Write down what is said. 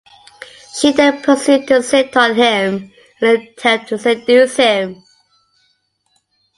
She then proceeds to sit on him in an attempt to seduce him.